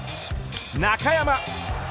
中山